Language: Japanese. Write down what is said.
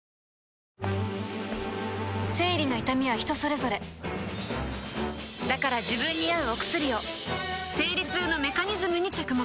生理の痛みは人それぞれだから自分に合うお薬を生理痛のメカニズムに着目